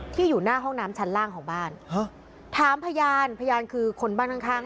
อยู่หน้าห้องน้ำชั้นล่างของบ้านฮะถามพยานพยานคือคนบ้านข้างข้าง